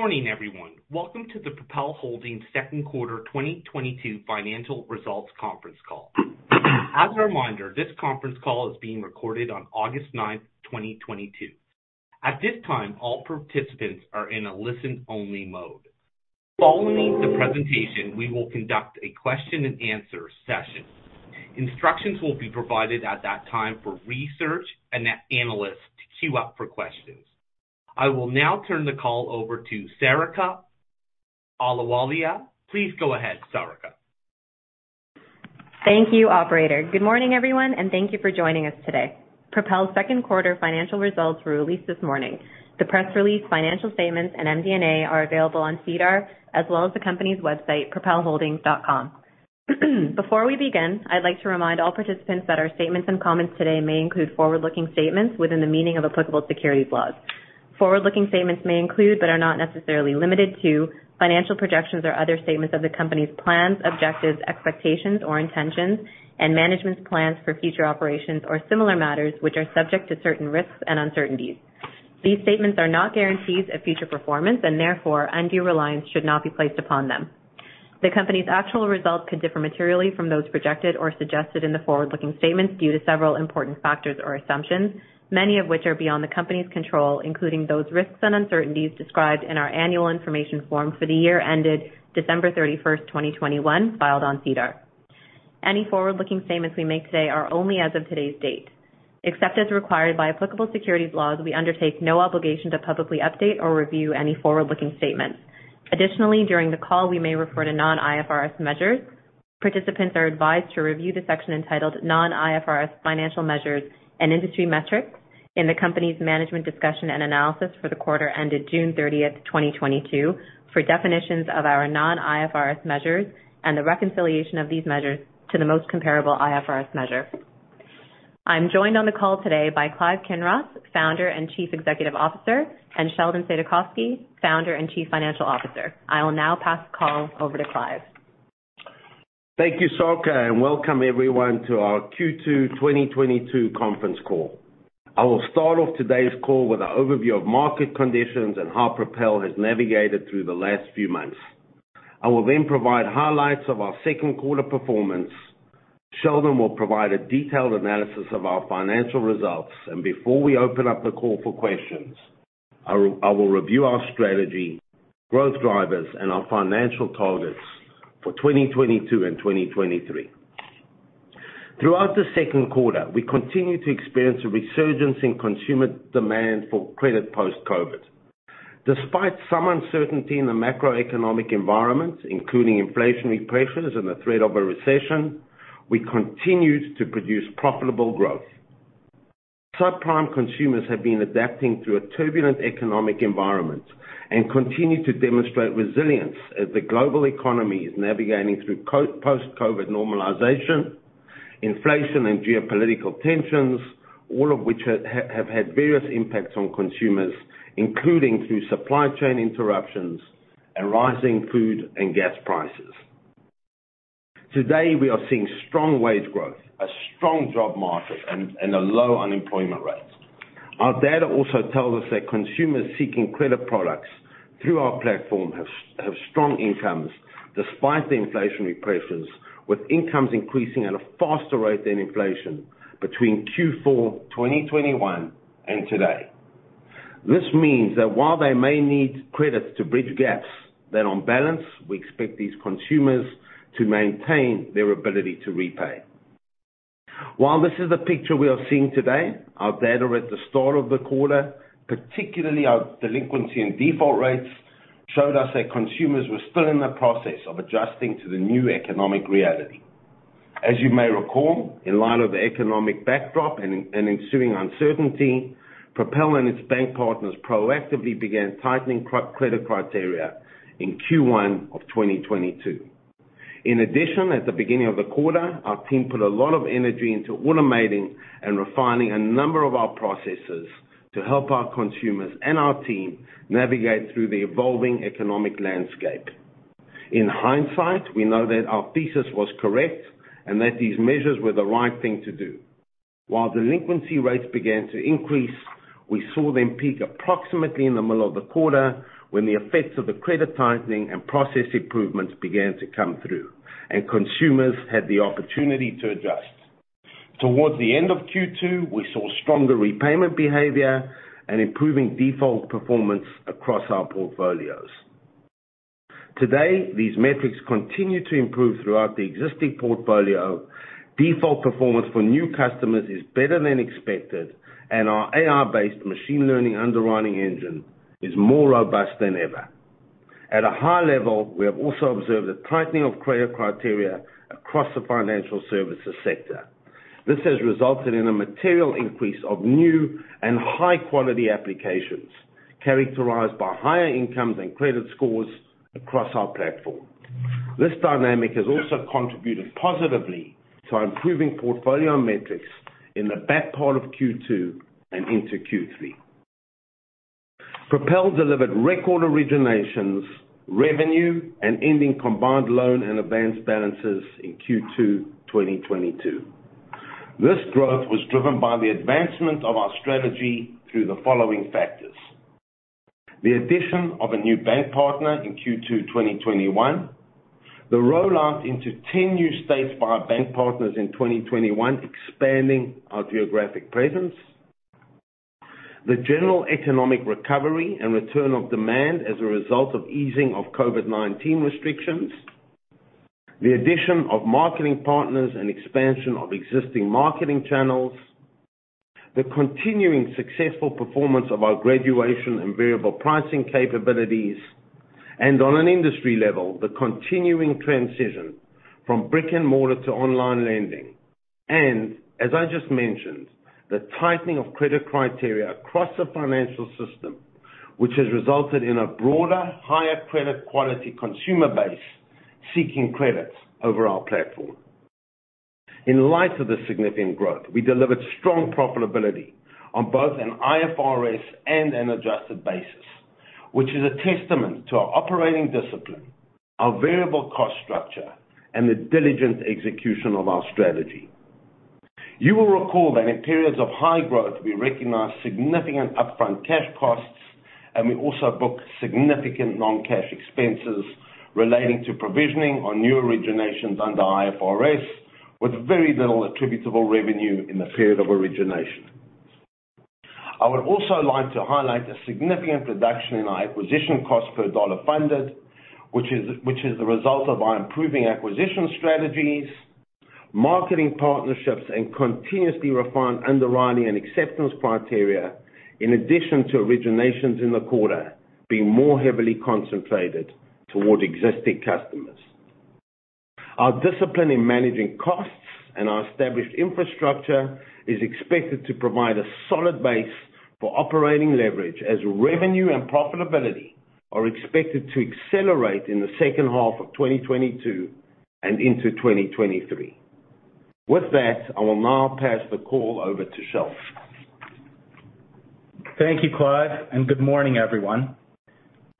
Good morning, everyone. Welcome to the Propel Holdings second quarter 2022 financial results conference call. As a reminder, this conference call is being recorded on August 9th, 2022. At this time, all participants are in a listen-only mode. Following the presentation, we will conduct a question and answer session. Instructions will be provided at that time for research analysts to queue up for questions. I will now turn the call over to Sarika Ahluwalia. Please go ahead, Sarika. Thank you, operator. Good morning, everyone, and thank you for joining us today. Propel second quarter financial results were released this morning. The press release, financial statements, and MD&A are available on SEDAR as well as the company's website, propelholdings.com. Before we begin, I'd like to remind all participants that our statements and comments today may include forward-looking statements within the meaning of applicable securities laws. Forward-looking statements may include, but are not necessarily limited to financial projections or other statements of the company's plans, objectives, expectations or intentions, and management's plans for future operations or similar matters which are subject to certain risks and uncertainties. These statements are not guarantees of future performance and therefore undue reliance should not be placed upon them. The company's actual results could differ materially from those projected or suggested in the forward-looking statements due to several important factors or assumptions, many of which are beyond the company's control, including those risks and uncertainties described in our annual information form for the year ended December 31st, 2021, filed on SEDAR. Any forward-looking statements we make today are only as of today's date. Except as required by applicable securities laws, we undertake no obligation to publicly update or review any forward-looking statements. Additionally, during the call, we may refer to non-IFRS measures. Participants are advised to review the section entitled non-IFRS financial measures and industry metrics in the company's management discussion and analysis for the quarter ended June 30th, 2022, for definitions of our non-IFRS measures and the reconciliation of these measures to the most comparable IFRS measure. I'm joined on the call today by Clive Kinross, Founder and Chief Executive Officer, and Sheldon Saidakovsky, Founder and Chief Financial Officer. I will now pass the call over to Clive. Thank you, Sarika, and welcome everyone to our Q2 2022 conference call. I will start off today's call with an overview of market conditions and how Propel has navigated through the last few months. I will then provide highlights of our second quarter performance. Sheldon will provide a detailed analysis of our financial results, and before we open up the call for questions, I will review our strategy, growth drivers, and our financial targets for 2022 and 2023. Throughout the second quarter, we continued to experience a resurgence in consumer demand for credit post-COVID. Despite some uncertainty in the macroeconomic environment, including inflationary pressures and the threat of a recession, we continued to produce profitable growth. Subprime consumers have been adapting through a turbulent economic environment and continue to demonstrate resilience as the global economy is navigating through post-COVID normalization, inflation and geopolitical tensions, all of which have had various impacts on consumers, including through supply chain interruptions and rising food and gas prices. Today, we are seeing strong wage growth, a strong job market and a low unemployment rate. Our data also tells us that consumers seeking credit products through our platform have strong incomes despite the inflationary pressures, with incomes increasing at a faster rate than inflation between Q4 2021 and today. This means that while they may need credit to bridge gaps, that on balance, we expect these consumers to maintain their ability to repay. While this is the picture we are seeing today, our data at the start of the quarter, particularly our delinquency and default rates, showed us that consumers were still in the process of adjusting to the new economic reality. As you may recall, in light of the economic backdrop and ensuing uncertainty, Propel and its bank partners proactively began tightening credit criteria in Q1 of 2022. In addition, at the beginning of the quarter, our team put a lot of energy into automating and refining a number of our processes to help our consumers and our team navigate through the evolving economic landscape. In hindsight, we know that our thesis was correct and that these measures were the right thing to do. While delinquency rates began to increase, we saw them peak approximately in the middle of the quarter when the effects of the credit tightening and process improvements began to come through and consumers had the opportunity to adjust. Towards the end of Q2, we saw stronger repayment behavior and improving default performance across our portfolios. Today, these metrics continue to improve throughout the existing portfolio. Default performance for new customers is better than expected, and our AI-based machine learning underwriting engine is more robust than ever. At a high level, we have also observed a tightening of credit criteria across the financial services sector. This has resulted in a material increase of new and high quality applications characterized by higher incomes and credit scores across our platform. This dynamic has also contributed positively to improving portfolio metrics in the back part of Q2 and into Q3. Propel delivered record originations, revenue, and ending combined loan and advanced balances in Q2 2022. This growth was driven by the advancement of our strategy through the following factors. The addition of a new bank partner in Q2 2021. The rollout into 10 new states by our bank partners in 2021, expanding our geographic presence. The general economic recovery and return of demand as a result of easing of COVID-19 restrictions. The addition of marketing partners and expansion of existing marketing channels. The continuing successful performance of our graduation and variable pricing capabilities, and on an industry level, the continuing transition from brick and mortar to online lending. As I just mentioned, the tightening of credit criteria across the financial system, which has resulted in a broader, higher credit quality consumer base seeking credits over our platform. In light of this significant growth, we delivered strong profitability on both an IFRS and an adjusted basis, which is a testament to our operating discipline, our variable cost structure, and the diligent execution of our strategy. You will recall that in periods of high growth, we recognize significant upfront cash costs, and we also book significant non-cash expenses relating to provisioning on new originations under IFRS, with very little attributable revenue in the period of origination. I would also like to highlight a significant reduction in our acquisition cost per dollar funded, which is the result of our improving acquisition strategies, marketing partnerships, and continuously refined underwriting and acceptance criteria, in addition to originations in the quarter being more heavily concentrated toward existing customers. Our discipline in managing costs and our established infrastructure is expected to provide a solid base for operating leverage as revenue and profitability are expected to accelerate in the second half of 2022 and into 2023. With that, I will now pass the call over to Shel. Thank you, Clive, and good morning, everyone.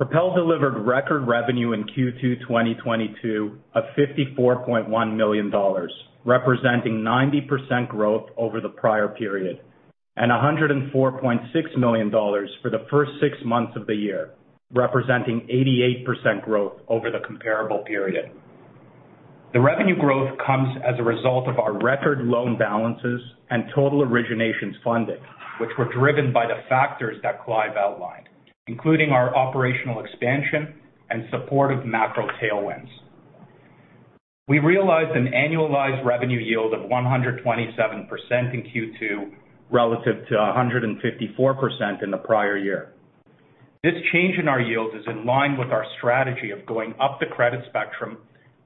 Propel delivered record revenue in Q2 2022 of 54.1 million dollars, representing 90% growth over the prior period, and 104.6 million dollars for the first six months of the year, representing 88% growth over the comparable period. The revenue growth comes as a result of our record loan balances and total originations funding, which were driven by the factors that Clive outlined, including our operational expansion and supportive macro tailwinds. We realized an annualized revenue yield of 127% in Q2, relative to 154% in the prior year. This change in our yields is in line with our strategy of going up the credit spectrum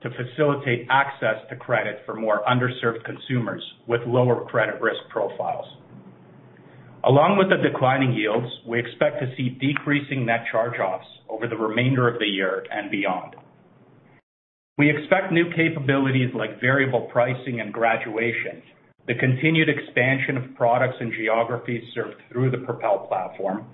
to facilitate access to credit for more underserved consumers with lower credit risk profiles. Along with the declining yields, we expect to see decreasing net charge-offs over the remainder of the year and beyond. We expect new capabilities like variable pricing and graduation, the continued expansion of products and geographies served through the Propel platform,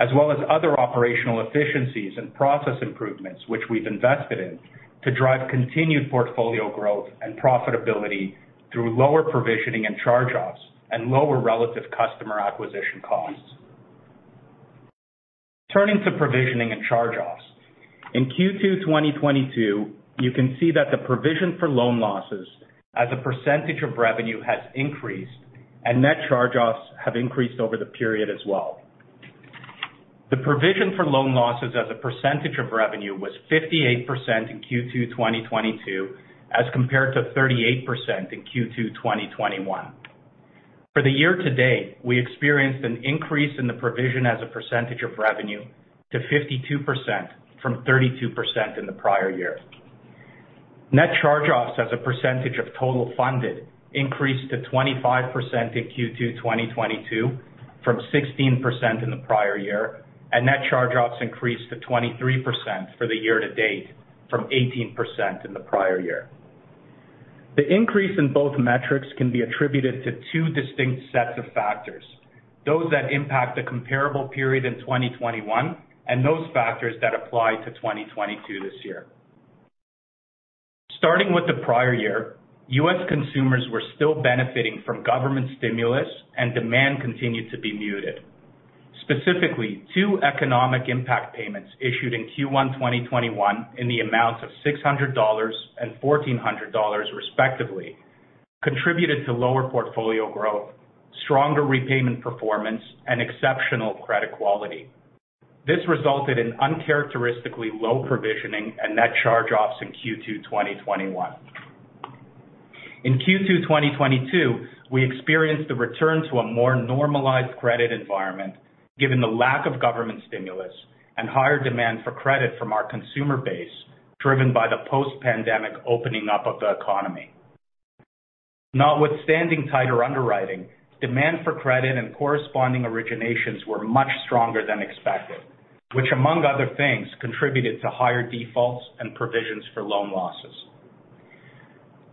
as well as other operational efficiencies and process improvements which we've invested in to drive continued portfolio growth and profitability through lower provisioning and charge-offs and lower relative customer acquisition costs. Turning to provisioning and charge-offs. In Q2 2022, you can see that the provision for loan losses as a percentage of revenue has increased, and net charge-offs have increased over the period as well. The provision for loan losses as a percentage of revenue was 58% in Q2 2022, as compared to 38% in Q2 2021. For the year to date, we experienced an increase in the provision as a percentage of revenue to 52% from 32% in the prior year. Net charge-offs as a percentage of total funded increased to 25% in Q2, 2022 from 16% in the prior year, and net charge-offs increased to 23% for the year to date from 18% in the prior year. The increase in both metrics can be attributed to two distinct sets of factors, those that impact the comparable period in 2021 and those factors that apply to 2022 this year. Starting with the prior year, U.S. consumers were still benefiting from government stimulus and demand continued to be muted. Specifically, two economic impact payments issued in Q1 2021 in the amounts of 600 dollars and 1,400 dollars respectively, contributed to lower portfolio growth, stronger repayment performance, and exceptional credit quality. This resulted in uncharacteristically low provisioning and net charge-offs in Q2 2021. In Q2 2022, we experienced the return to a more normalized credit environment given the lack of government stimulus and higher demand for credit from our consumer base, driven by the post-pandemic opening up of the economy. Notwithstanding tighter underwriting, demand for credit and corresponding originations were much stronger than expected, which among other things, contributed to higher defaults and provisions for loan losses.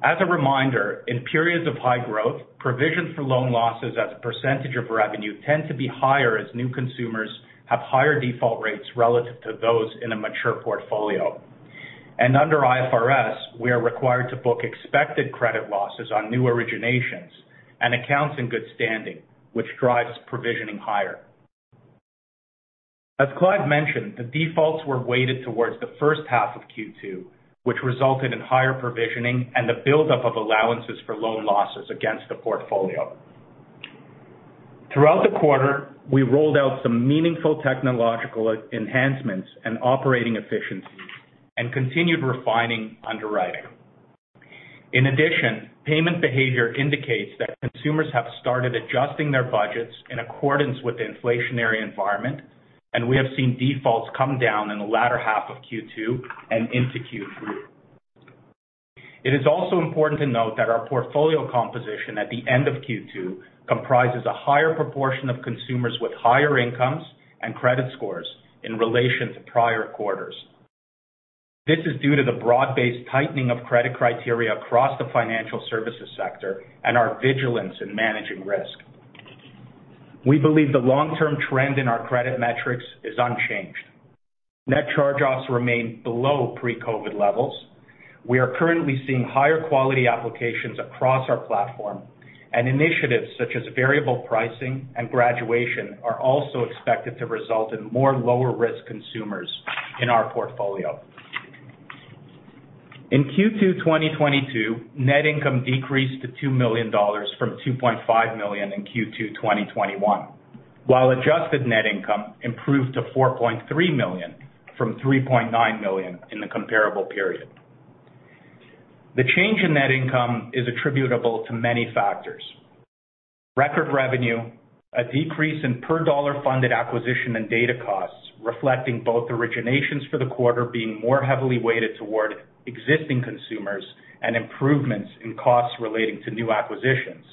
As a reminder, in periods of high growth, provisions for loan losses as a percentage of revenue tend to be higher as new consumers have higher default rates relative to those in a mature portfolio. Under IFRS, we are required to book expected credit losses on new originations and accounts in good standing, which drives provisioning higher. As Clive mentioned, the defaults were weighted towards the first half of Q2, which resulted in higher provisioning and the buildup of allowances for loan losses against the portfolio. Throughout the quarter, we rolled out some meaningful technological enhancements and operating efficiencies and continued refining underwriting. In addition, payment behavior indicates that consumers have started adjusting their budgets in accordance with the inflationary environment, and we have seen defaults come down in the latter half of Q2 and into Q3. It is also important to note that our portfolio composition at the end of Q2 comprises a higher proportion of consumers with higher incomes and credit scores in relation to prior quarters. This is due to the broad-based tightening of credit criteria across the financial services sector and our vigilance in managing risk. We believe the long-term trend in our credit metrics is unchanged. Net charge-offs remain below pre-COVID levels. We are currently seeing higher quality applications across our platform, and initiatives such as variable pricing and graduation are also expected to result in more lower risk consumers in our portfolio. In Q2 2022, net income decreased to 2 million dollars from 2.5 million in Q2 2021. While adjusted net income improved to 4.3 million from 3.9 million in the comparable period. The change in net income is attributable to many factors. Record revenue, a decrease in per dollar funded acquisition and data costs, reflecting both originations for the quarter being more heavily weighted toward existing consumers and improvements in costs relating to new acquisitions.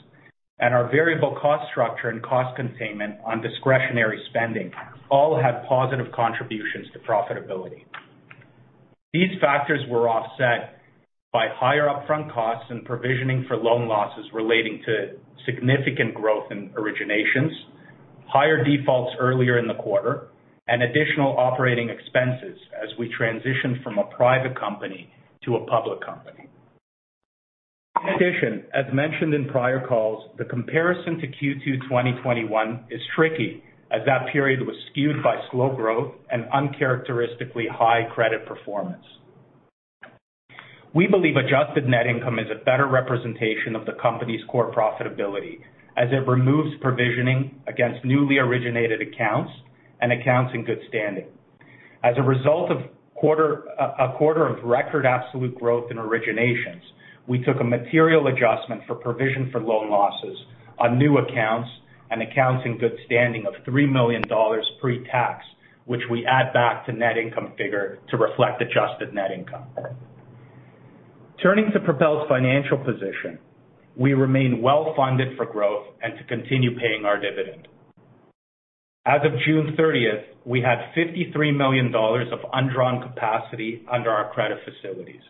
Our variable cost structure and cost containment on discretionary spending all have positive contributions to profitability. These factors were offset by higher upfront costs and provisioning for loan losses relating to significant growth in originations, higher defaults earlier in the quarter, and additional operating expenses as we transition from a private company to a public company. In addition, as mentioned in prior calls, the comparison to Q2 2021 is tricky as that period was skewed by slow growth and uncharacteristically high credit performance. We believe adjusted net income is a better representation of the company's core profitability as it removes provisioning against newly originated accounts and accounts in good standing. As a result of a quarter of record absolute growth in originations, we took a material adjustment for provision for loan losses on new accounts and accounts in good standing of 3 million dollars pre-tax, which we add back to net income figure to reflect adjusted net income. Turning to Propel's financial position, we remain well-funded for growth and to continue paying our dividend. As of June 30th, we had 53 million dollars of undrawn capacity under our credit facilities.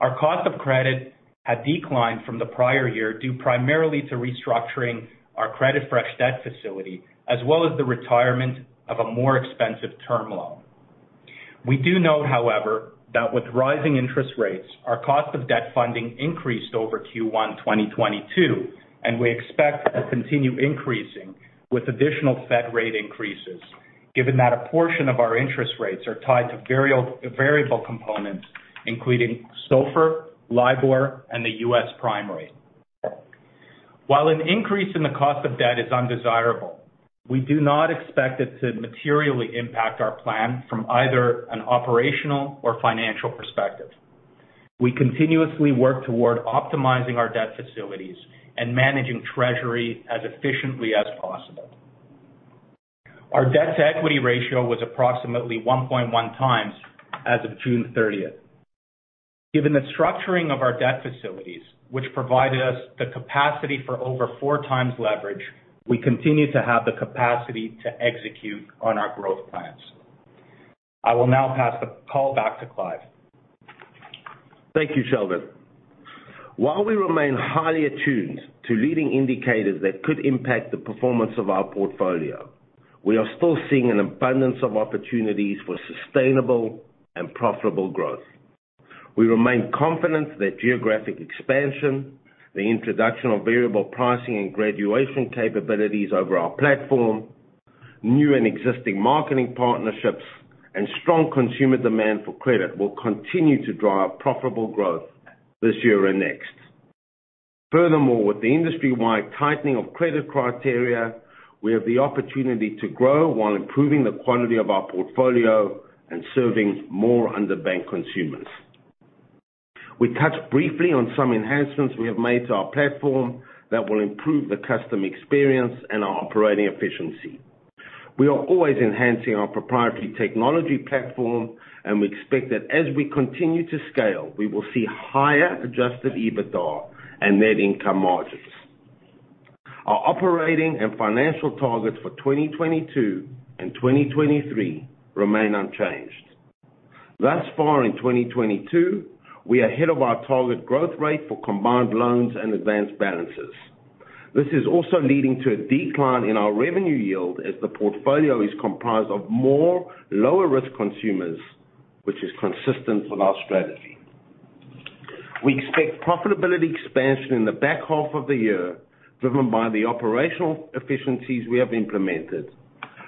Our cost of credit had declined from the prior year, due primarily to restructuring our CreditFresh debt facility, as well as the retirement of a more expensive term loan. We do note, however, that with rising interest rates, our cost of debt funding increased over Q1 2022, and we expect to continue increasing with additional Fed rate increases, given that a portion of our interest rates are tied to variable components, including SOFR, LIBOR, and the U.S. Prime Rate. While an increase in the cost of debt is undesirable, we do not expect it to materially impact our plan from either an operational or financial perspective. We continuously work toward optimizing our debt facilities and managing treasury as efficiently as possible. Our debt-to-equity ratio was approximately 1.1x as of June 30th. Given the structuring of our debt facilities, which provided us the capacity for over 4x leverage, we continue to have the capacity to execute on our growth plans. I will now pass the call back to Clive. Thank you, Sheldon. While we remain highly attuned to leading indicators that could impact the performance of our portfolio, we are still seeing an abundance of opportunities for sustainable and profitable growth. We remain confident that geographic expansion, the introduction of variable pricing and graduation capabilities over our platform, new and existing marketing partnerships, and strong consumer demand for credit will continue to drive profitable growth this year and next. Furthermore, with the industry-wide tightening of credit criteria, we have the opportunity to grow while improving the quality of our portfolio and serving more underbanked consumers. We touched briefly on some enhancements we have made to our platform that will improve the customer experience and our operating efficiency. We are always enhancing our proprietary technology platform, and we expect that as we continue to scale, we will see higher Adjusted EBITDA and net income margins. Our operating and financial targets for 2022 and 2023 remain unchanged. Thus far in 2022, we are ahead of our target growth rate for combined loans and advanced balances. This is also leading to a decline in our revenue yield as the portfolio is comprised of more lower-risk consumers, which is consistent with our strategy. We expect profitability expansion in the back half of the year, driven by the operational efficiencies we have implemented,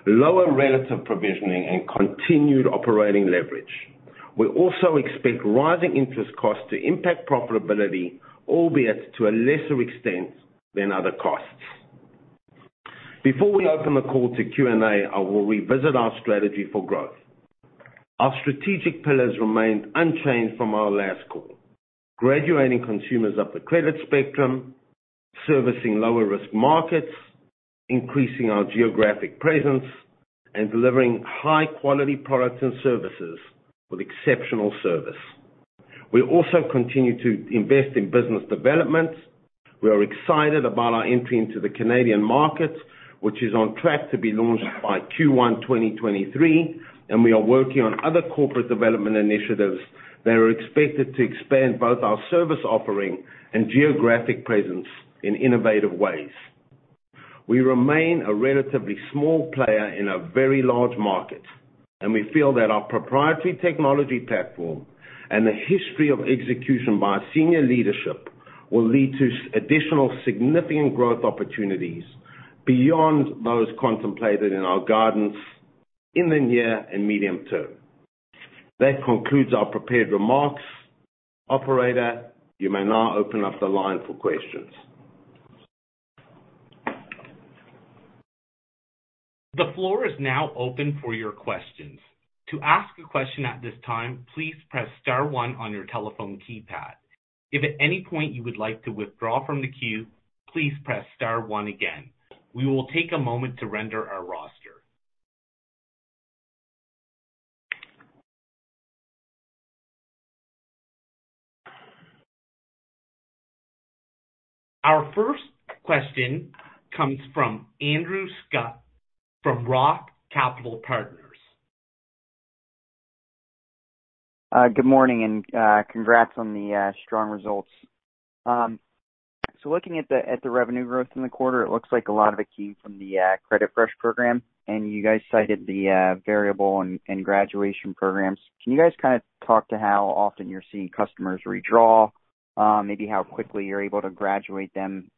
lower relative provisioning, and continued operating leverage. We also expect rising interest costs to impact profitability, albeit to a lesser extent than other costs. Before we open the call to Q&A, I will revisit our strategy for growth. Our strategic pillars remained unchanged from our last call. Graduating consumers up the credit spectrum, servicing lower-risk markets, increasing our geographic presence, and delivering high-quality products and services with exceptional service. We also continue to invest in business development. We are excited about our entry into the Canadian market, which is on track to be launched by Q1 2023, and we are working on other corporate development initiatives that are expected to expand both our service offering and geographic presence in innovative ways. We remain a relatively small player in a very large market, and we feel that our proprietary technology platform and the history of execution by senior leadership will lead to additional significant growth opportunities beyond those contemplated in our guidance in the near and medium term. That concludes our prepared remarks. Operator, you may now open up the line for questions. The floor is now open for your questions. To ask a question at this time, please press star one on your telephone keypad. If at any point you would like to withdraw from the queue, please press star one again. We will take a moment to render our roster. Our first question comes from Andrew Scutt from ROTH Capital Partners. Good morning and congrats on the strong results. Looking at the revenue growth in the quarter, it looks like a lot of it came from the CreditFresh program, and you guys cited the variable and graduation programs. Can you guys kinda talk to how often you're seeing customers redraw? Maybe how quickly you're able to graduate them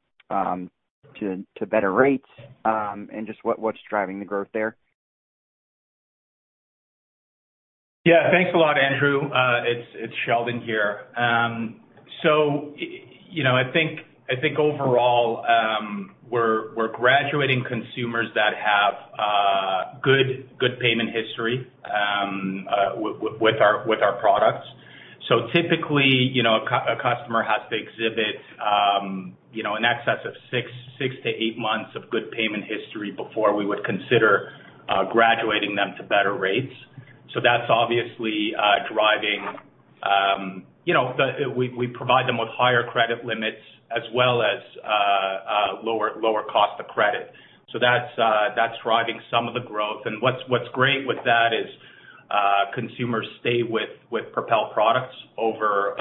to better rates, and just what's driving the growth there? Yeah. Thanks a lot, Andrew. It's Sheldon here. You know, I think overall, we're graduating consumers that have good payment history with our products. Typically, a customer has to exhibit, you know, in excess of six to eight months of good payment history before we would consider graduating them to better rates. That's obviously driving we provide them with higher credit limits as well as lower cost of credit. That's driving some of the growth. What's great with that is, consumers stay with Propel products over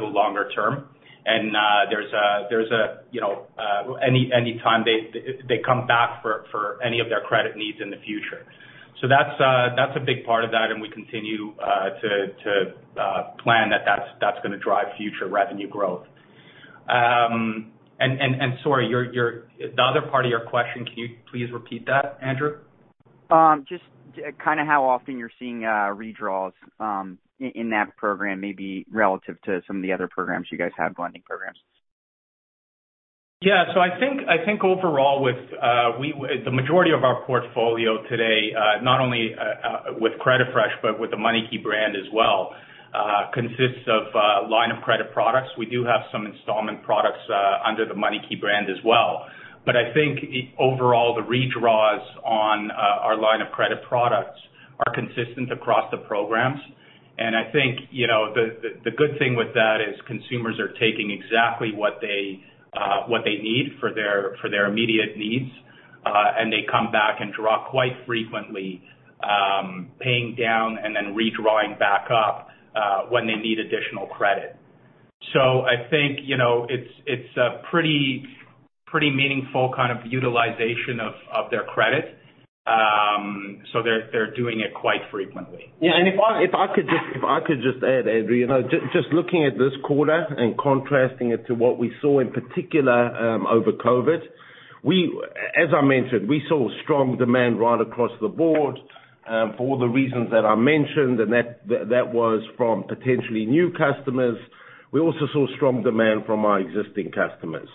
the longer term. There's you know any time they come back for any of their credit needs in the future. That's a big part of that, and we continue to plan that that's gonna drive future revenue growth. Sorry, your, the other part of your question, can you please repeat that, Andrew? Just kind of how often you're seeing redraws in that program, maybe relative to some of the other programs you guys have, lending programs? Yeah. I think overall with the majority of our portfolio today, not only with CreditFresh, but with the MoneyKey brand as well, consists of line of credit products. We do have some installment products under the MoneyKey brand as well. I think overall, the redraws on our line of credit products are consistent across the programs. I think, you know, the good thing with that is consumers are taking exactly what they need for their immediate needs, and they come back and draw quite frequently, paying down and then redrawing back up when they need additional credit. I think, you know, it's a pretty meaningful kind of utilization of their credit. So they're doing it quite frequently. Yeah. If I could just add, Andrew, you know, just looking at this quarter and contrasting it to what we saw in particular over COVID, as I mentioned, we saw strong demand right across the board for all the reasons that I mentioned, and that was from potentially new customers. We also saw strong demand from our existing customers.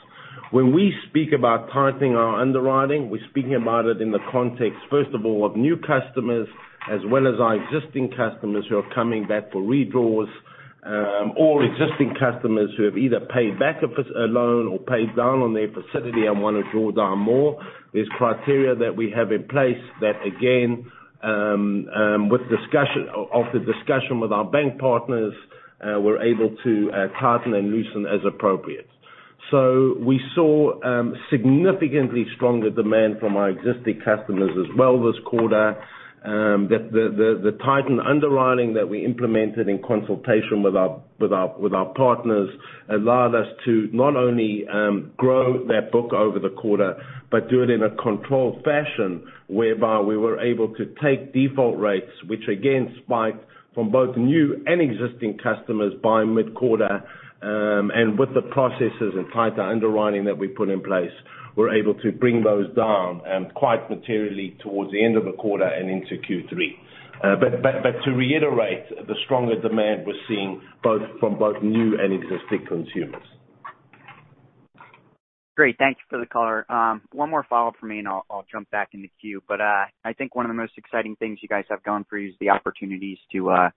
When we speak about tightening our underwriting, we're speaking about it in the context, first of all, of new customers as well as our existing customers who are coming back for redraws, or existing customers who have either paid back a loan or paid down on their facility and want to draw down more. There's criteria that we have in place that again, with discussion with our bank partners, we're able to tighten and loosen as appropriate. We saw significantly stronger demand from our existing customers as well this quarter, that the tightened underwriting that we implemented in consultation with our partners allowed us to not only grow that book over the quarter, but do it in a controlled fashion, whereby we were able to take default rates, which again spiked from both new and existing customers by mid-quarter. With the processes and tighter underwriting that we put in place, we're able to bring those down quite materially towards the end of the quarter and into Q3. To reiterate, the stronger demand we're seeing from both new and existing consumers. Great. Thank you for the color. One more follow-up from me and I'll jump back in the queue. I think one of the most exciting things you guys have going for you is the opportunities to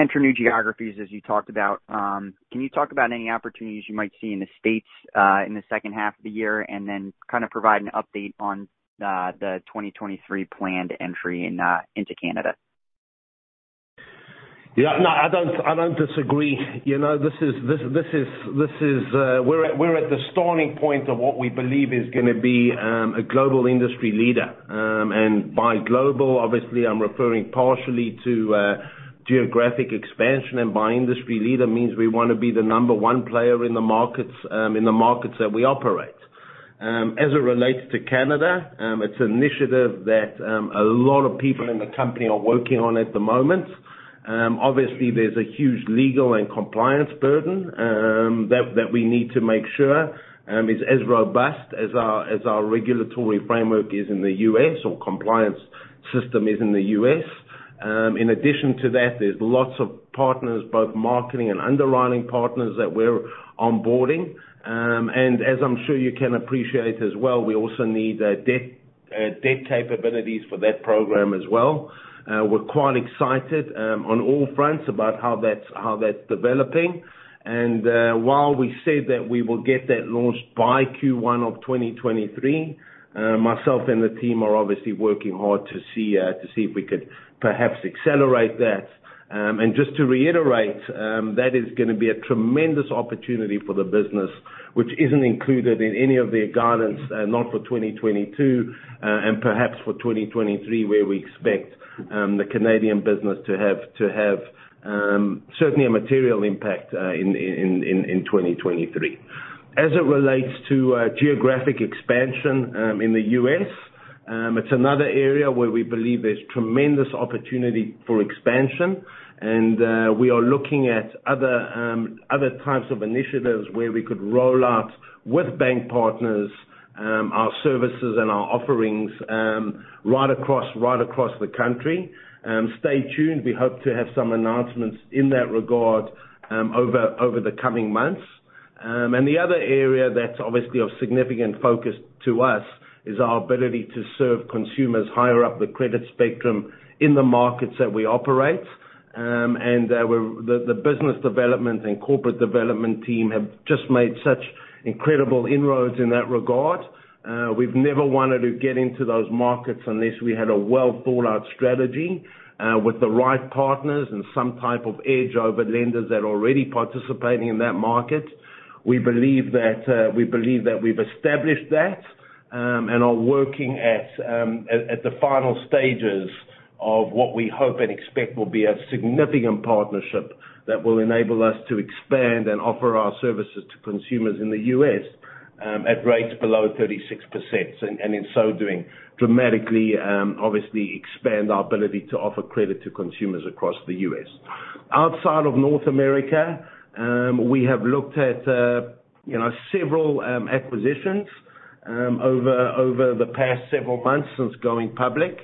enter new geographies as you talked about. Can you talk about any opportunities you might see in the States in the second half of the year, and then kind of provide an update on the 2023 planned entry into Canada? Yeah, no, I don't disagree. You know, this is we're at the starting point of what we believe is gonna be a global industry leader. By global, obviously, I'm referring partially to geographic expansion. By industry leader means we wanna be the number one player in the markets in the markets that we operate. As it relates to Canada, it's an initiative that a lot of people in the company are working on at the moment. Obviously, there's a huge legal and compliance burden that we need to make sure is as robust as our regulatory framework is in the U.S. or compliance system is in the U.S. In addition to that, there's lots of partners, both marketing and underwriting partners that we're onboarding. As I'm sure you can appreciate as well, we also need debt capabilities for that program as well. We're quite excited on all fronts about how that's developing. While we said that we will get that launched by Q1 of 2023, myself and the team are obviously working hard to see if we could perhaps accelerate that. Just to reiterate, that is gonna be a tremendous opportunity for the business, which isn't included in any of the guidance, not for 2022, and perhaps for 2023, where we expect the Canadian business to have certainly a material impact in 2023. As it relates to geographic expansion in the U.S., it's another area where we believe there's tremendous opportunity for expansion. We are looking at other types of initiatives where we could roll out with bank partners our services and our offerings right across the country. Stay tuned. We hope to have some announcements in that regard over the coming months. The other area that's obviously of significant focus to us is our ability to serve consumers higher up the credit spectrum in the markets that we operate. The business development and corporate development team have just made such incredible inroads in that regard. We've never wanted to get into those markets unless we had a well-thought-out strategy, with the right partners and some type of edge over lenders that are already participating in that market. We believe that we've established that, and are working at the final stages of what we hope and expect will be a significant partnership that will enable us to expand and offer our services to consumers in the U.S., at rates below 36%. In so doing dramatically, obviously expand our ability to offer credit to consumers across the U.S. Outside of North America, we have looked at you know, several acquisitions over the past several months since going public.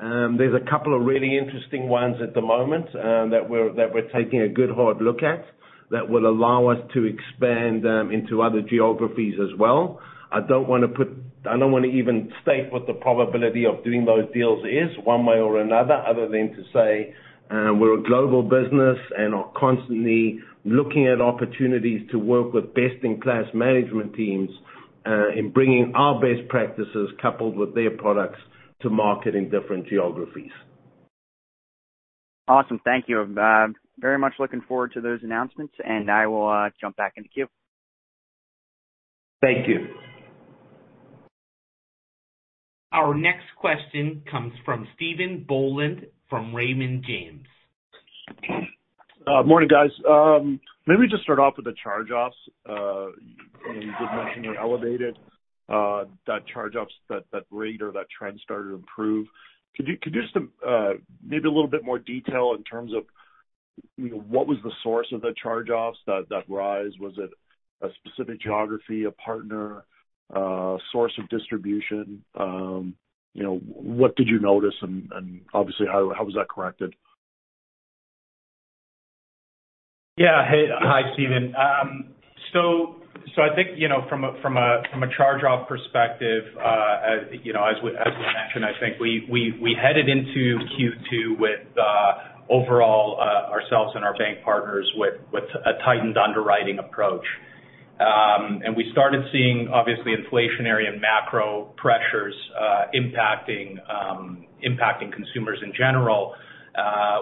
There's a couple of really interesting ones at the moment that we're taking a good hard look at that will allow us to expand into other geographies as well. I don't wanna even state what the probability of doing those deals is one way or another other than to say, we're a global business and are constantly looking at opportunities to work with best-in-class management teams in bringing our best practices coupled with their products to market in different geographies. Awesome. Thank you. Very much looking forward to those announcements, and I will jump back in the queue. Thank you. Our next question comes from Stephen Boland from Raymond James. Morning, guys. Maybe just start off with the charge-offs. You did mention they elevated, that charge-off rate or that trend started to improve. Could you just maybe a little bit more detail in terms of, you know, what was the source of the charge-offs that rise? Was it a specific geography, a partner, source of distribution? You know, what did you notice and obviously how was that corrected? Yeah. Hey. Hi, Stephen. I think, you know, from a charge-off perspective, as you know, as we mentioned, I think we headed into Q2 with overall ourselves and our bank partners with a tightened underwriting approach. We started seeing obviously inflationary and macro pressures impacting consumers in general,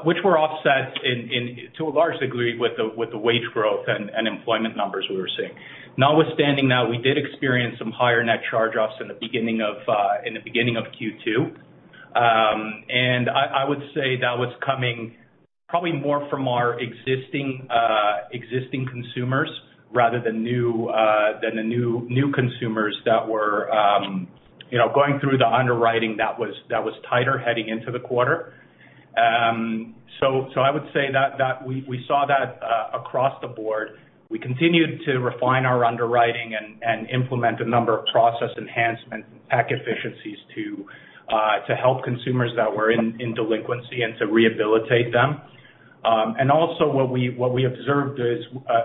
which were offset into a large degree with the wage growth and employment numbers we were seeing. Notwithstanding that, we did experience some higher net charge-offs in the beginning of Q2. I would say that was coming probably more from our existing consumers rather than the new consumers that were you know going through the underwriting that was tighter heading into the quarter. I would say that we saw that across the board. We continued to refine our underwriting and implement a number of process enhancements and efficiencies to help consumers that were in delinquency and to rehabilitate them. Also what we observed is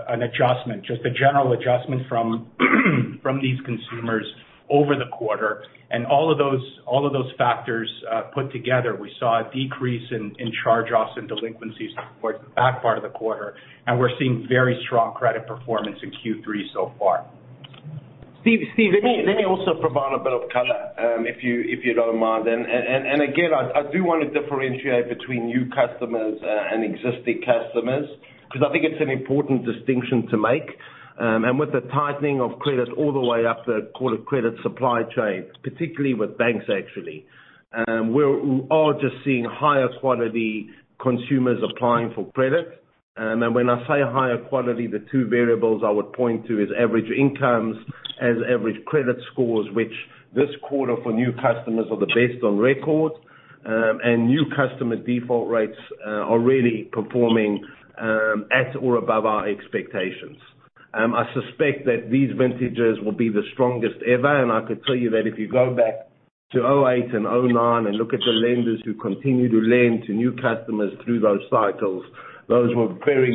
an adjustment, just a general adjustment from these consumers over the quarter. All of those factors put together, we saw a decrease in charge-offs and delinquencies towards the back part of the quarter, and we're seeing very strong credit performance in Q3 so far. Stephen, let me also provide a bit of color, if you don't mind. Again, I do wanna differentiate between new customers and existing customers 'cause I think it's an important distinction to make. With the tightening of credit all the way up the credit supply chain, particularly with banks actually, we are just seeing higher quality consumers applying for credit. When I say higher quality, the two variables I would point to is average incomes and average credit scores, which this quarter for new customers are the best on record. New customer default rates are really performing at or above our expectations. I suspect that these vintages will be the strongest ever, and I could tell you that if you go back to 2008 and 2009 and look at the lenders who continued to lend to new customers through those cycles, those were very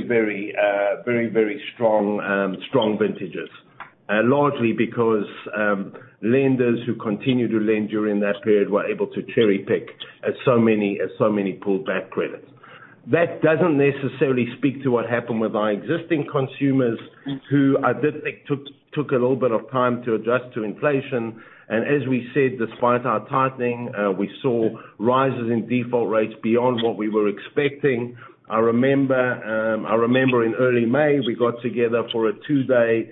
strong vintages. Largely because lenders who continued to lend during that period were able to cherry-pick as so many pulled back credit. That doesn't necessarily speak to what happened with our existing consumers who I did think took a little bit of time to adjust to inflation. As we said, despite our tightening, we saw rises in default rates beyond what we were expecting. I remember in early May, we got together for a two-day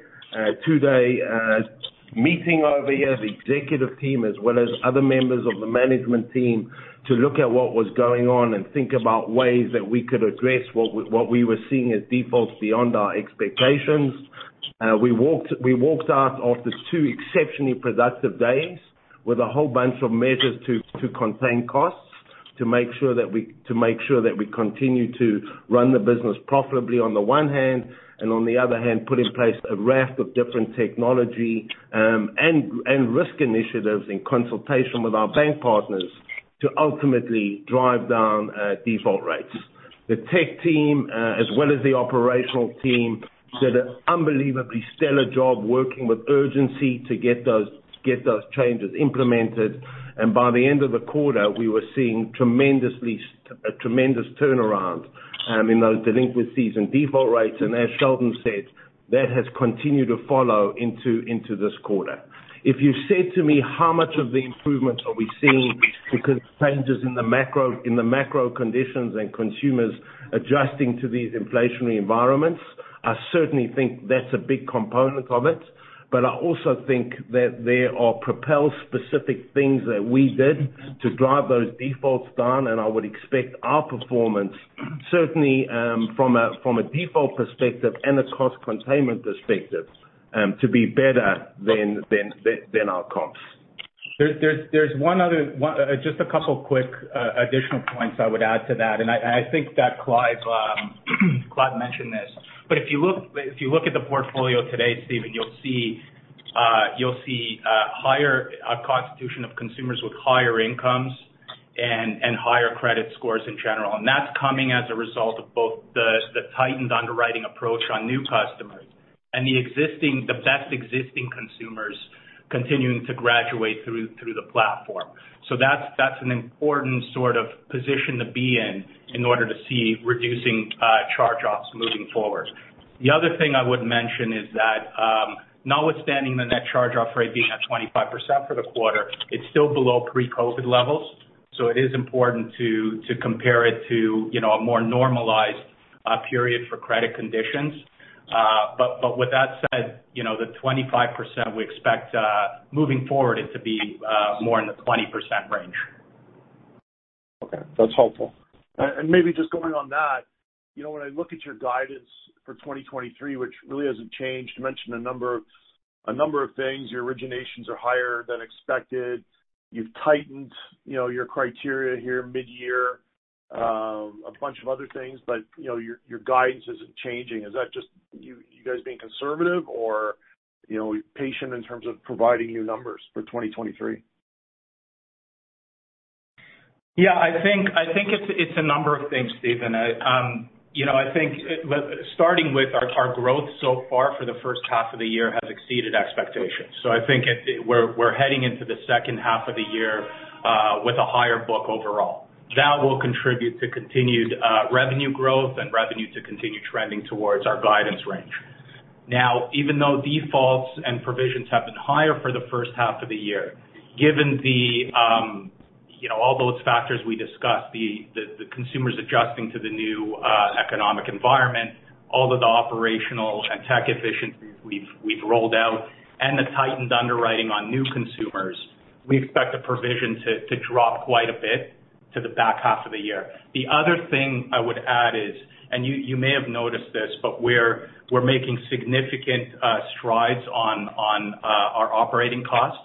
meeting over here, the executive team as well as other members of the management team, to look at what was going on and think about ways that we could address what we were seeing as defaults beyond our expectations. We walked out of the two exceptionally productive days with a whole bunch of measures to contain costs, to make sure that we continue to run the business profitably on the one hand, and on the other hand, put in place a raft of different technology, and risk initiatives in consultation with our bank partners to ultimately drive down default rates. The tech team, as well as the operational team, did an unbelievably stellar job working with urgency to get those changes implemented. By the end of the quarter, we were seeing a tremendous turnaround in those delinquencies and default rates. As Sheldon said, that has continued to follow into this quarter. If you said to me, how much of the improvements are we seeing because of changes in the macro, in the macro conditions and consumers adjusting to these inflationary environments, I certainly think that's a big component of it. I also think that there are Propel specific things that we did to drive those defaults down, and I would expect our performance, certainly, from a default perspective and a cost containment perspective, to be better than our comps. There's one other just a couple of quick additional points I would add to that, and I think that Clive mentioned this. If you look at the portfolio today, Stephen, you'll see a higher composition of consumers with higher incomes and higher credit scores in general. That's coming as a result of both the tightened underwriting approach on new customers and the best existing consumers continuing to graduate through the platform. That's an important sort of position to be in in order to see reducing charge-offs moving forward. The other thing I would mention is that, notwithstanding the net charge-off rate being at 25% for the quarter, it's still below pre-COVID levels, so it is important to compare it to, you know, a more normalized period for credit conditions. With that said, you know, the 25% we expect moving forward it to be more in the 20% range. Okay. That's helpful. And maybe just going on that, you know, when I look at your guidance for 2023, which really hasn't changed, you mentioned a number of things. Your originations are higher than expected. You've tightened, you know, your criteria here midyear, a bunch of other things, but, you know, your guidance isn't changing. Is that just you guys being conservative or, you know, patient in terms of providing new numbers for 2023? Yeah, I think it's a number of things, Stephen. You know, I think, well, starting with our growth so far for the first half of the year has exceeded expectations. I think we're heading into the second half of the year with a higher book overall. That will contribute to continued revenue growth and revenue to continue trending towards our guidance range. Now, even though defaults and provisions have been higher for the first half of the year, given you know, all those factors we discussed, the consumers adjusting to the new economic environment, all of the operational and tech efficiencies we've rolled out and the tightened underwriting on new consumers, we expect the provision to drop quite a bit to the back half of the year. The other thing I would add is, and you may have noticed this, but we're making significant strides on our operating costs,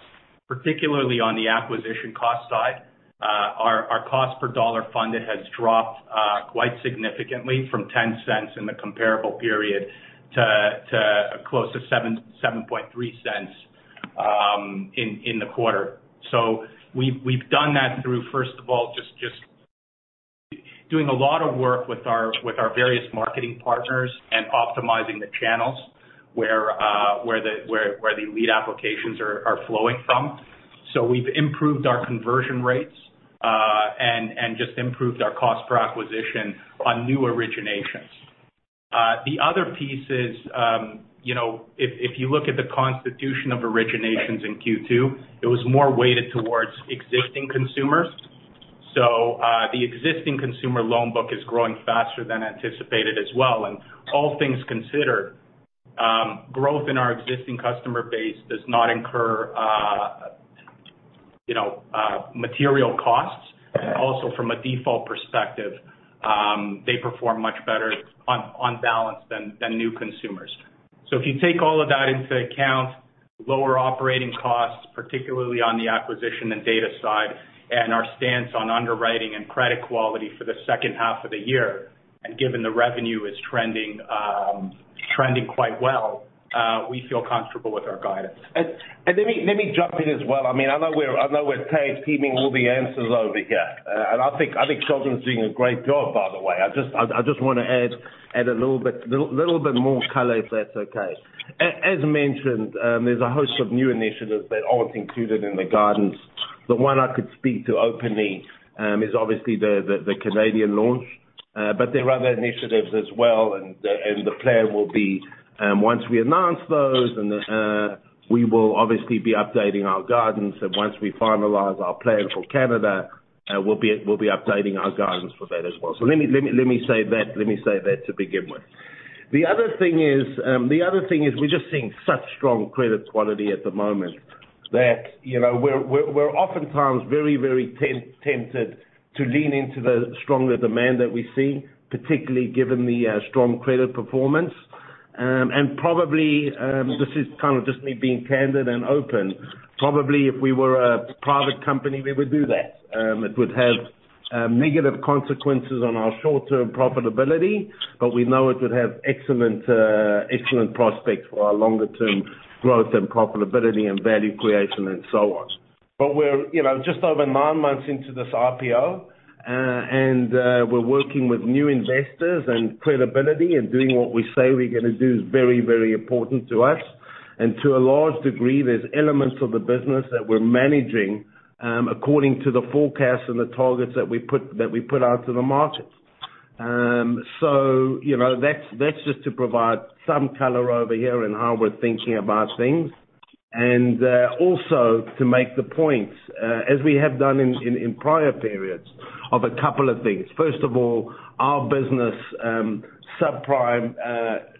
particularly on the acquisition cost side. Our cost per dollar funded has dropped quite significantly from 0.10 in the comparable period to close to 0.073 in the quarter. We've done that through, first of all, just doing a lot of work with our various marketing partners and optimizing the channels where the lead applications are flowing from. We've improved our conversion rates, and just improved our cost per acquisition on new originations. The other piece is, you know, if you look at the composition of originations in Q2, it was more weighted towards existing consumers. The existing consumer loan book is growing faster than anticipated as well. All things considered, growth in our existing customer base does not incur, you know, material costs. Also, from a default perspective, they perform much better on balance than new consumers. If you take all of that into account, lower operating costs, particularly on the acquisition and data side, and our stance on underwriting and credit quality for the second half of the year, and given the revenue is trending quite well, we feel comfortable with our guidance. Let me jump in as well. I mean, I know we're tag teaming all the answers over here. I think Sheldon's doing a great job, by the way. I just wanna add a little bit more color, if that's okay. As mentioned, there's a host of new initiatives that aren't included in the guidance. The one I could speak to openly is obviously the Canadian launch. There are other initiatives as well. The plan will be, once we announce those, we will obviously be updating our guidance. Once we finalize our plan for Canada, we'll be updating our guidance for that as well. Let me say that to begin with. The other thing is we're just seeing such strong credit quality at the moment that, you know, we're oftentimes very tempted to lean into the stronger demand that we see, particularly given the strong credit performance. Probably, this is kind of just me being candid and open. Probably if we were a private company, we would do that. It would have negative consequences on our short-term profitability, but we know it would have excellent prospects for our longer-term growth and profitability and value creation and so on. We're, you know, just over nine months into this IPO, and we're working with new investors and credibility, and doing what we say we're gonna do is very, very important to us. To a large degree, there's elements of the business that we're managing according to the forecasts and the targets that we put out to the market. So, you know, that's just to provide some color over here in how we're thinking about things. Also to make the point as we have done in prior periods of a couple of things. First of all, our business subprime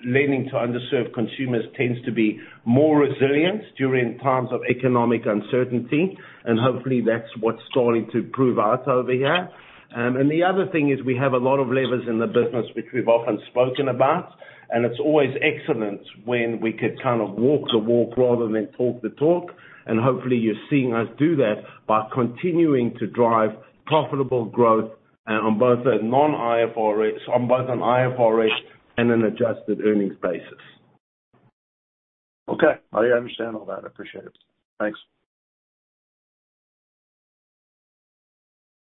lending to underserved consumers tends to be more resilient during times of economic uncertainty, and hopefully that's what's starting to prove out over here. The other thing is we have a lot of levers in the business which we've often spoken about, and it's always excellent when we could kind of walk the walk rather than talk the talk. Hopefully you're seeing us do that by continuing to drive profitable growth on both a non-IFRS and an IFRS, and an adjusted earnings basis. Okay, I understand all that. I appreciate it. Thanks.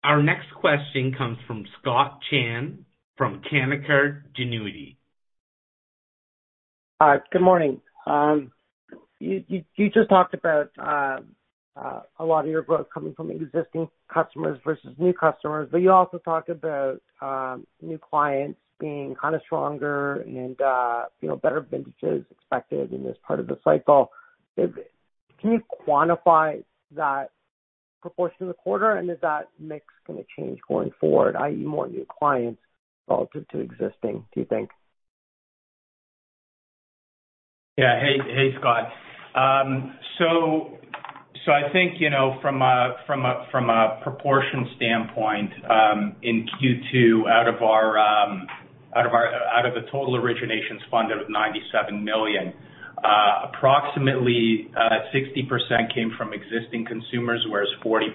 Our next question comes from Scott Chan from Canaccord Genuity. Good morning. You just talked about a lot of your growth coming from existing customers versus new customers, but you also talked about new clients being kind of stronger and you know, better vintages expected in this part of the cycle. Can you quantify that proportion of the quarter? Is that mix gonna change going forward, i.e., more new clients relative to existing, do you think? Hey, Scott. So I think, you know, from a proportion standpoint, in Q2, out of the total originations funded of 97 million, approximately 60% came from existing consumers, whereas 40%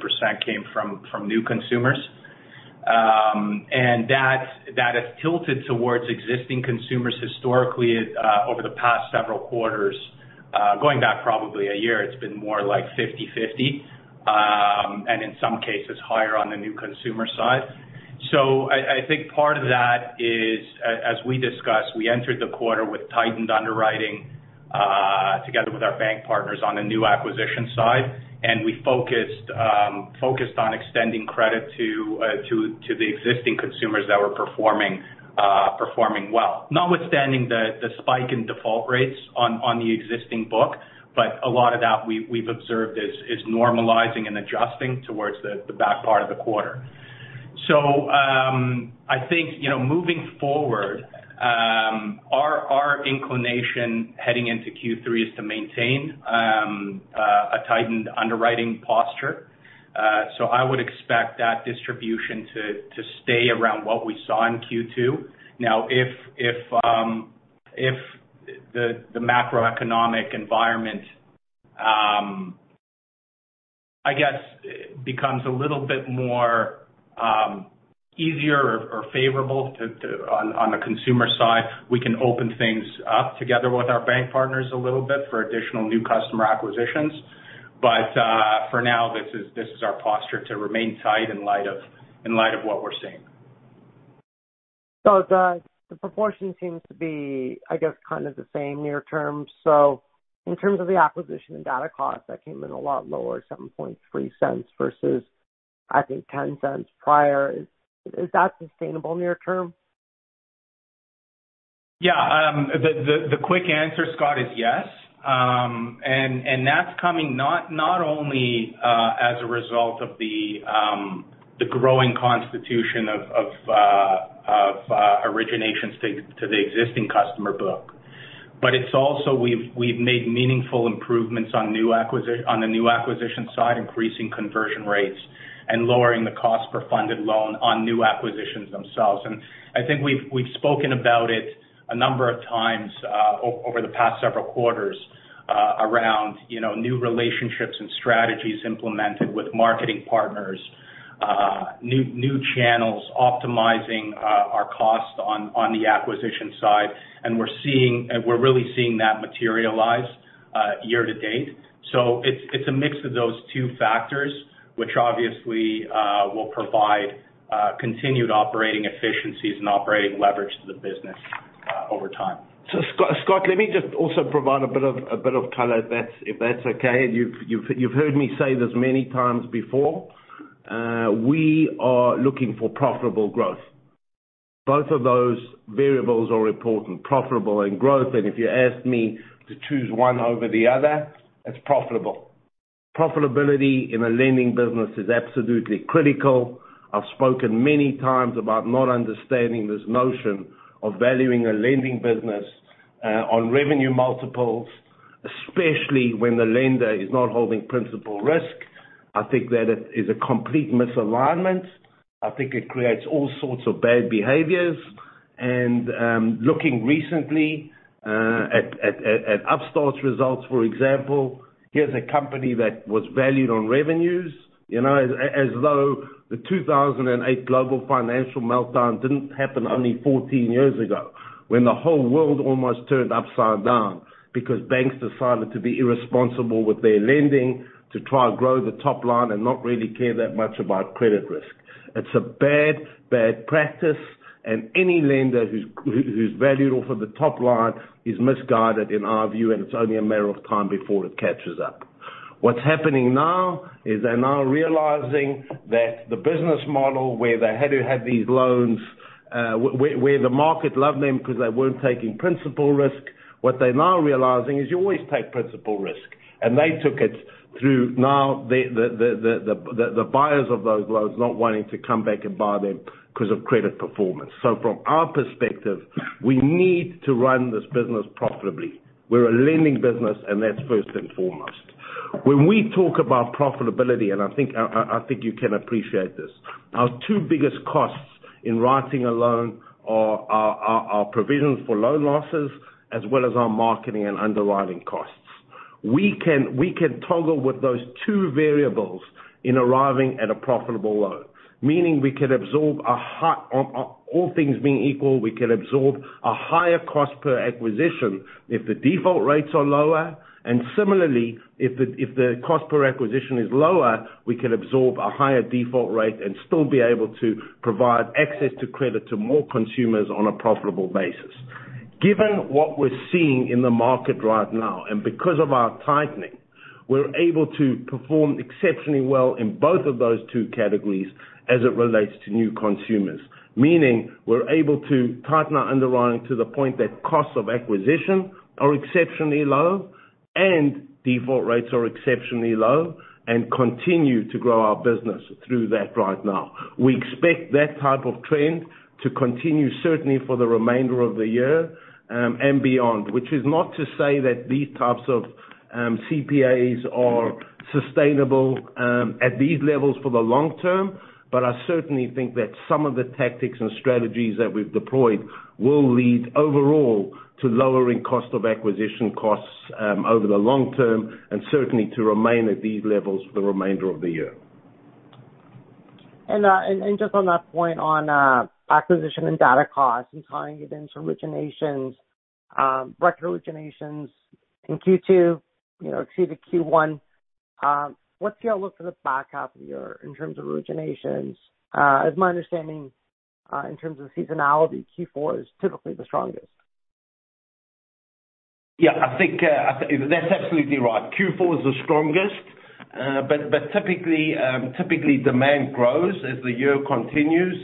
came from new consumers. That has tilted towards existing consumers historically. Over the past several quarters, going back probably a year, it's been more like 50/50, and in some cases higher on the new consumer side. I think part of that is, as we discussed, we entered the quarter with tightened underwriting together with our bank partners on the new acquisition side, and we focused on extending credit to the existing consumers that were performing well. Notwithstanding the spike in default rates on the existing book, but a lot of that we've observed is normalizing and adjusting towards the back part of the quarter. I think, you know, moving forward, our inclination heading into Q3 is to maintain a tightened underwriting posture. I would expect that distribution to stay around what we saw in Q2. Now, if the macroeconomic environment, I guess, becomes a little bit more easier or favorable to on the consumer side, we can open things up together with our bank partners a little bit for additional new customer acquisitions. For now, this is our posture to remain tight in light of what we're seeing. The proportion seems to be, I guess, kind of the same near term. In terms of the acquisition and data costs, that came in a lot lower, 0.073 versus, I think, 0.10 prior. Is that sustainable near term? Yeah. The quick answer, Scott, is yes. And that's coming not only as a result of the growing contribution of originations to the existing customer book, but it's also we've made meaningful improvements on the new acquisition side, increasing conversion rates and lowering the cost per funded loan on new acquisitions themselves. I think we've spoken about it a number of times over the past several quarters around you know, new relationships and strategies implemented with marketing partners, new channels, optimizing our cost on the acquisition side. We're really seeing that materialize year to date. It's a mix of those two factors, which obviously will provide continued operating efficiencies and operating leverage to the business over time. Scott, let me just also provide a bit of color if that's okay. You've heard me say this many times before. We are looking for profitable growth. Both of those variables are important, profitable and growth. If you asked me to choose one over the other, it's profitable. Profitability in a lending business is absolutely critical. I've spoken many times about not understanding this notion of valuing a lending business on revenue multiples, especially when the lender is not holding principal risk. I think that it is a complete misalignment. I think it creates all sorts of bad behaviors. Looking recently at Upstart's results, for example, here's a company that was valued on revenues, you know, as though the 2008 global financial meltdown didn't happen only 14 years ago, when the whole world almost turned upside down because banks decided to be irresponsible with their lending to try to grow the top line and not really care that much about credit risk. It's a bad practice, and any lender who's valued off of the top line is misguided, in our view, and it's only a matter of time before it catches up. What's happening now is they're now realizing that the business model where they had to have these loans, where the market loved them because they weren't taking principal risk, what they're now realizing is you always take principal risk. They took it through the buyers of those loans not wanting to come back and buy them 'cause of credit performance. From our perspective, we need to run this business profitably. We're a lending business, and that's first and foremost. When we talk about profitability, I think you can appreciate this, our two biggest costs in writing a loan are provisions for loan losses as well as our marketing and underwriting costs. We can toggle with those two variables in arriving at a profitable loan. Meaning, all things being equal, we can absorb a higher cost per acquisition if the default rates are lower. Similarly, if the cost per acquisition is lower, we can absorb a higher default rate and still be able to provide access to credit to more consumers on a profitable basis. Given what we're seeing in the market right now, and because of our tightening, we're able to perform exceptionally well in both of those two categories as it relates to new consumers. Meaning, we're able to tighten our underwriting to the point that costs of acquisition are exceptionally low and default rates are exceptionally low and continue to grow our business through that right now. We expect that type of trend to continue, certainly for the remainder of the year, and beyond. Which is not to say that these types of, CPAs are sustainable, at these levels for the long term, but I certainly think that some of the tactics and strategies that we've deployed will lead overall to lowering cost of acquisition costs, over the long term, and certainly to remain at these levels for the remainder of the year. Just on that point on acquisition and data costs and tying it into originations, total originations in Q2, you know, exceeded Q1. What's your outlook for the back half of the year in terms of originations? Is my understanding, in terms of seasonality, Q4 is typically the strongest. Yeah, I think that's absolutely right. Q4 is the strongest. Typically demand grows as the year continues.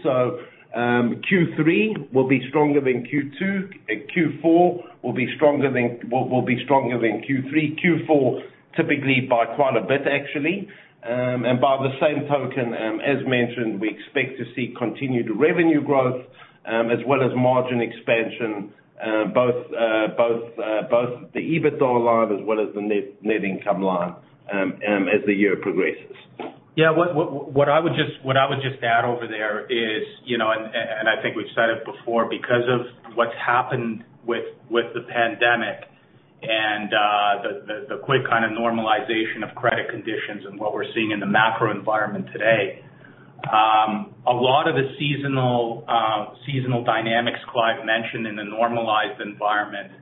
Q3 will be stronger than Q2, and Q4 will be stronger than Q3, typically by quite a bit, actually. By the same token, as mentioned, we expect to see continued revenue growth as well as margin expansion, both the EBITDA line as well as the net income line, as the year progresses. Yeah. What I would just add over there is, you know, and I think we've said it before, because of what's happened with the pandemic and the quick kind of normalization of credit conditions and what we're seeing in the macro environment today, a lot of the seasonal dynamics Clive mentioned in the normalized environment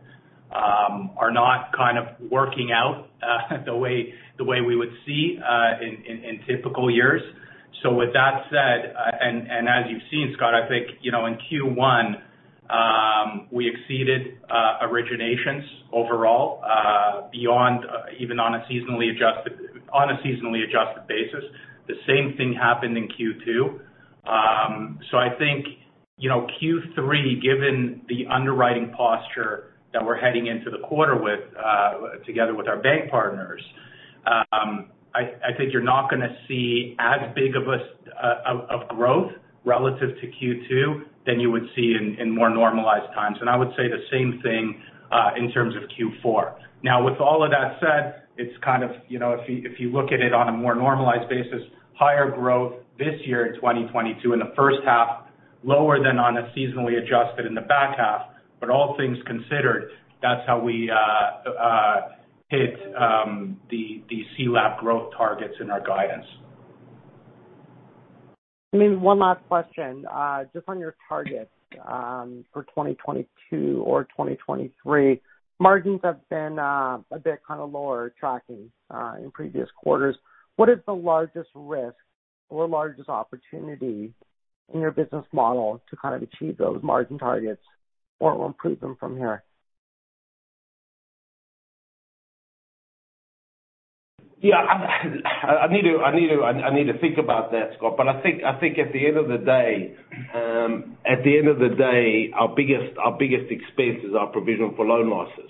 are not kind of working out the way we would see in typical years. With that said, and as you've seen, Scott, I think, you know, in Q1, we exceeded originations overall beyond even on a seasonally adjusted basis. The same thing happened in Q2. I think, you know, Q3, given the underwriting posture that we're heading into the quarter with, together with our bank partners, I think you're not gonna see as big of a growth relative to Q2 than you would see in more normalized times. I would say the same thing in terms of Q4. Now, with all of that said, it's kind of, you know, if you look at it on a more normalized basis, higher growth this year in 2022 in the first half, lower than on a seasonally adjusted in the back half. All things considered, that's how we hit the CLAP growth targets in our guidance. Maybe one last question. Just on your targets, for 2022 or 2023. Margins have been a bit kinda lower tracking in previous quarters. What is the largest risk or largest opportunity in your business model to kind of achieve those margin targets or improve them from here? Yeah. I need to think about that, Scott, but I think at the end of the day, our biggest expense is our provision for loan losses.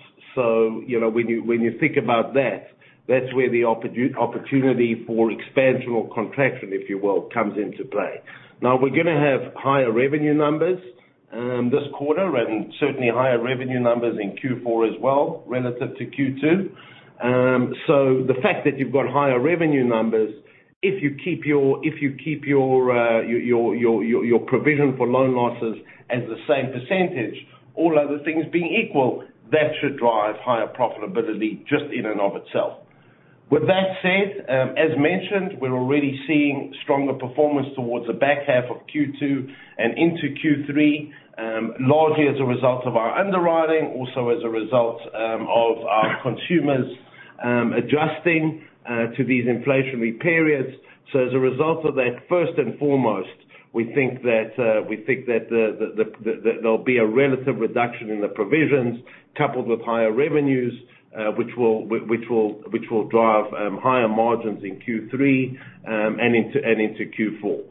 You know, when you think about that's where the opportunity for expansion or contraction, if you will, comes into play. Now, we're gonna have higher revenue numbers this quarter and certainly higher revenue numbers in Q4 as well relative to Q2. The fact that you've got higher revenue numbers, if you keep your provision for loan losses at the same percentage, all other things being equal, that should drive higher profitability just in and of itself. With that said, as mentioned, we're already seeing stronger performance towards the back half of Q2 and into Q3, largely as a result of our underwriting, also as a result of our consumers adjusting to these inflationary periods. As a result of that, first and foremost, we think that there'll be a relative reduction in the provisions coupled with higher revenues, which will drive higher margins in Q3 and into Q4.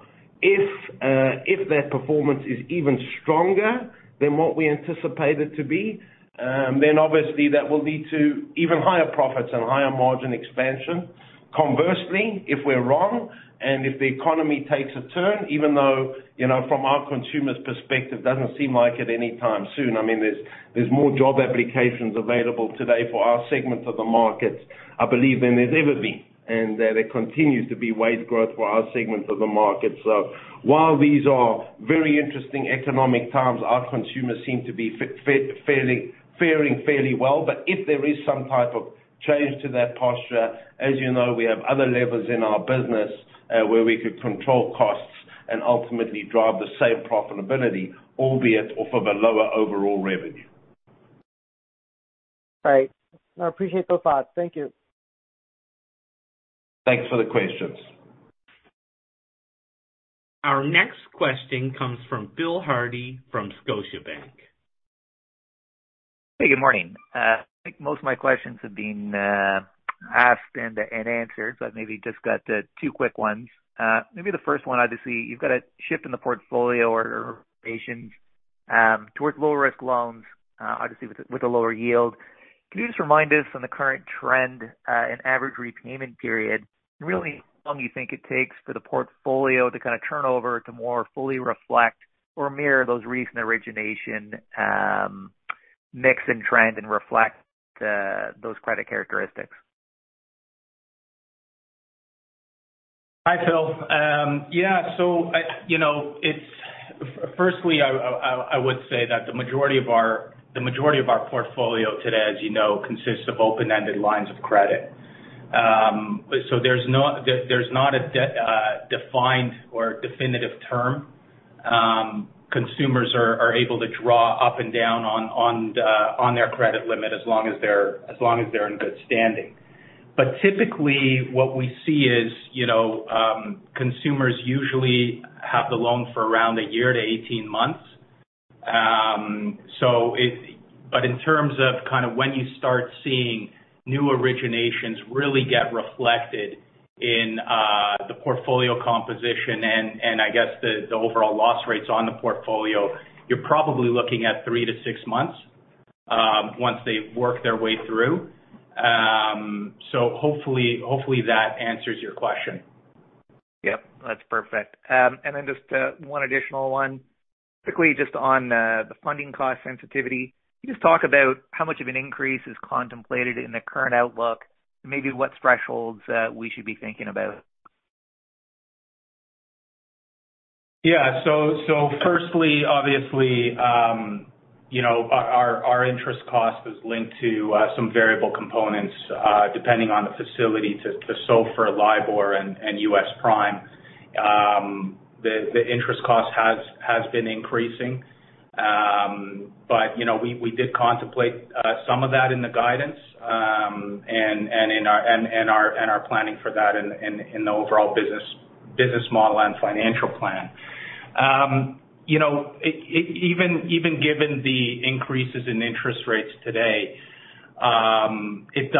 If that performance is even stronger than what we anticipate it to be, then obviously that will lead to even higher profits and higher margin expansion. Conversely, if we're wrong and if the economy takes a turn, even though, you know, from our consumers' perspective, doesn't seem like it anytime soon. I mean, there's more job applications available today for our segments of the markets, I believe, than there's ever been, and there continues to be wage growth for our segments of the market. While these are very interesting economic times, our consumers seem to be faring fairly well. If there is some type of change to that posture, as you know, we have other levers in our business, where we could control costs and ultimately drive the same profitability, albeit off of a lower overall revenue. All right. I appreciate those thoughts. Thank you. Thanks for the questions. Our next question comes from Phil Hardie from Scotiabank. Hey, good morning. I think most of my questions have been asked and answered, but maybe just got two quick ones. Maybe the first one, obviously, you've got a shift in the portfolio or origination towards lower risk loans, obviously with a lower yield. Can you just remind us on the current trend in average repayment period, and really how long you think it takes for the portfolio to kinda turn over to more fully reflect or mirror those recent origination mix and trend and reflect those credit characteristics? Hi, Phil. You know, it's firstly, I would say that the majority of our portfolio today, as you know, consists of open-ended lines of credit. There's no defined or definitive term. Consumers are able to draw up and down on their credit limit as long as they're in good standing. Typically, what we see is, you know, consumers usually have the loan for around a year to 18 months. In terms of kind of when you start seeing new originations really get reflected in the portfolio composition and I guess the overall loss rates on the portfolio, you're probably looking at three to six months once they work their way through. Hopefully that answers your question. Yep, that's perfect. Just one additional one. Quickly just on the funding cost sensitivity. Can you just talk about how much of an increase is contemplated in the current outlook? Maybe what thresholds we should be thinking about? Yeah. Firstly, obviously, you know, our interest cost is linked to some variable components, depending on the facility to SOFR, LIBOR and U.S. Prime. The interest cost has been increasing. You know, we did contemplate some of that in the guidance, and in our planning for that in the overall business model and financial plan. You know, even given the increases in interest rates today, it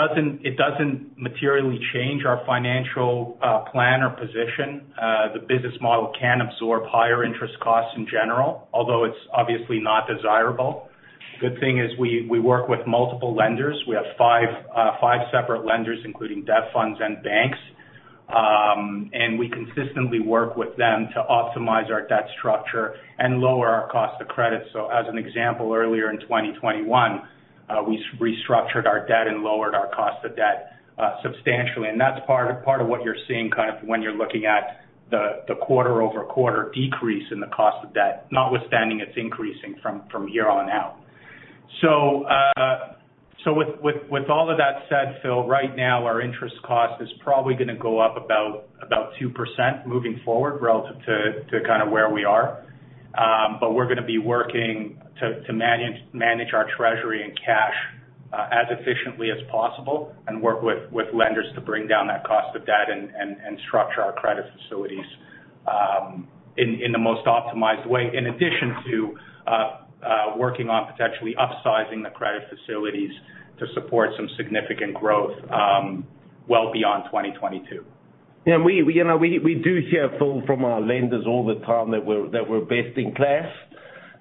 doesn't materially change our financial plan or position. The business model can absorb higher interest costs in general, although it's obviously not desirable. Good thing is we work with multiple lenders. We have five separate lenders, including debt funds and banks. We consistently work with them to optimize our debt structure and lower our cost of credit. As an example, earlier in 2021, we restructured our debt and lowered our cost of debt substantially. That's part of what you're seeing kind of when you're looking at the quarter-over-quarter decrease in the cost of debt, notwithstanding it's increasing from here on out. With all of that said, Phil, right now our interest cost is probably gonna go up about 2% moving forward relative to kind of where we are. We're gonna be working to manage our treasury and cash as efficiently as possible and work with lenders to bring down that cost of debt and structure our credit facilities in the most optimized way. In addition to working on potentially upsizing the credit facilities to support some significant growth well beyond 2022. Yeah, you know, we do hear, Phil, from our lenders all the time that we're best in class.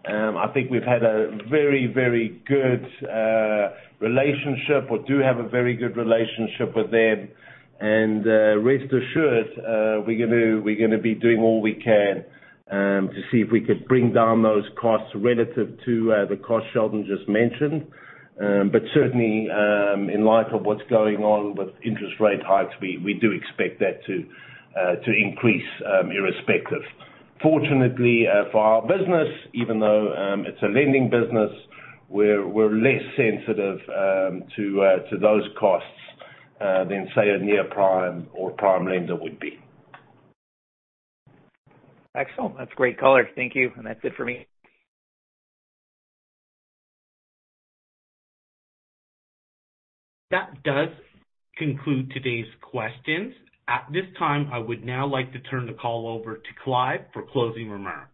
I think we've had a very good relationship or do have a very good relationship with them. Rest assured, we're gonna be doing all we can to see if we could bring down those costs relative to the costs Sheldon just mentioned. Certainly, in light of what's going on with interest rate hikes, we do expect that to increase, irrespective. Fortunately, for our business even though it's a lending business, we're less sensitive to those costs than say a near prime or prime lender would be. Excellent. That's great color. Thank you. That's it for me. That does conclude today's questions. At this time, I would now like to turn the call over to Clive for closing remarks.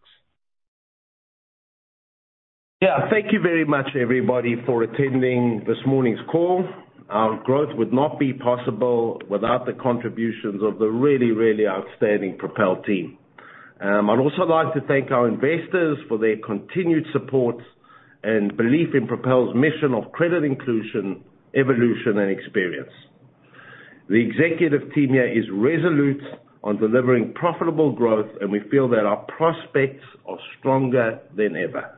Yeah. Thank you very much, everybody, for attending this morning's call. Our growth would not be possible without the contributions of the really, really outstanding Propel team. I'd also like to thank our investors for their continued support and belief in Propel's mission of credit inclusion, evolution and experience. The executive team here is resolute on delivering profitable growth, and we feel that our prospects are stronger than ever.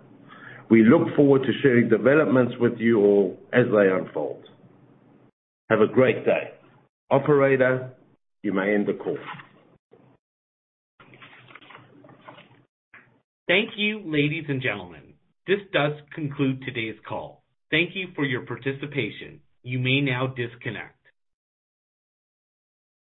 We look forward to sharing developments with you all as they unfold. Have a great day. Operator, you may end the call. Thank you, ladies and gentlemen. This does conclude today's call. Thank you for your participation. You may now disconnect.